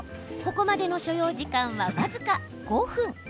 ここまでの所要時間は僅か５分。